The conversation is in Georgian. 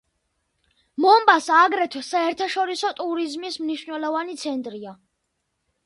მომბასა აგრეთვე საერთაშორისო ტურიზმის მნიშვნელოვანი ცენტრია.